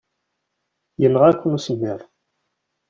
Yenɣa-ken usemmiḍ.